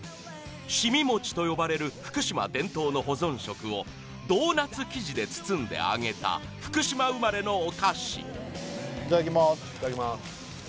凍み餅と呼ばれる福島伝統の保存食をドーナツ生地で包んで揚げた福島生まれのお菓子いただきますいただきます